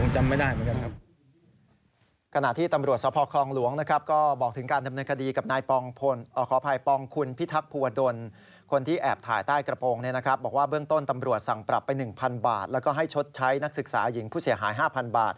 จำไม่ได้เหมือนกันครับ